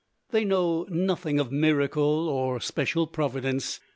They know nothing of miracle or special providence.